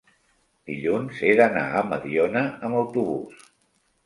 dilluns he d'anar a Mediona amb autobús.